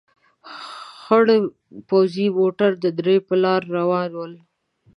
خړ پوځي موټر د درې په لار روان ول.